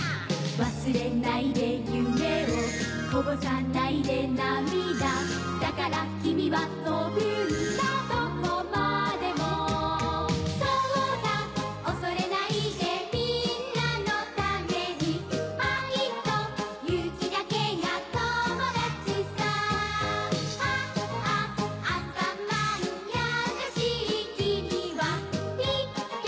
わすれないでゆめをこぼさないでなみだだからきみはとぶんだどこまでもそうだおそれないでみんなのためにあいとゆうきだけがともだちさああアンパンマンやさしいきみはいけ！